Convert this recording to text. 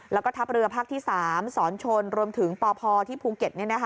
แล้วก็ทัพเรือภาคที่๓สอนชนรวมถึงปพที่ภูเก็ต